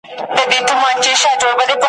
نه به اوري څوك فرياد د مظلومانو `